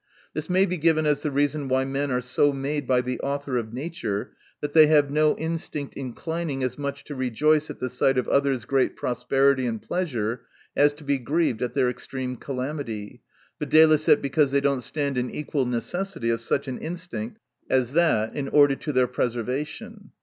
This may be given as the reason why men are so made by the Author of nature, that they have no instinct inclining as much to rejoice at the sight of others' great prosperity and pleasure, as to be grieved at their extreme calamity, viz., because they do not stand in equal necessity of such an instinct as that in order to their preservation.